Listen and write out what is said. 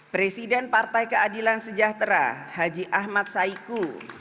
presiden partai keadilan sejahtera haji ahmad saiku